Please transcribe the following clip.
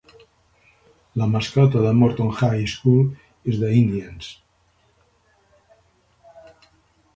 La mascota de Morton High School és The Indians.